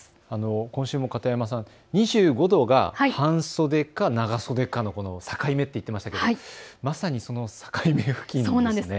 今週も片山さん、２５度が半袖か長袖かの境目と言ってましたけれどもまさに境目付近ですね。